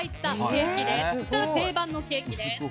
こちら、定番のケーキです。